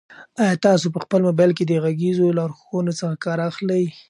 آیا تاسو په خپل موبایل کې د غږیزو لارښوونو څخه کار اخلئ؟